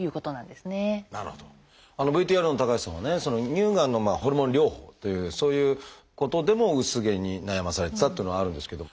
乳がんのホルモン療法というそういうことでも薄毛に悩まされてたっていうのはあるんですけど。